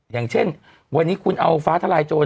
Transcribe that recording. อย่างเช่นวันนี้คุณเอาฟ้าทลายโจร